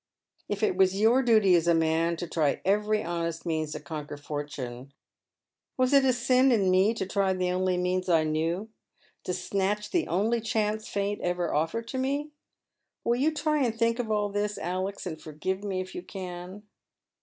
if it was your duty as a inan to try every honest means to conquer foilune, was it a sin in me to try tlie only means I knew, to snatch the only chance Fate ever offered to me ? Will you try to think of all this, Alex, and forgive me, if you can